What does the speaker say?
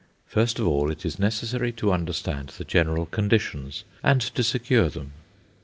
First of all, it is necessary to understand the general conditions, and to secure them.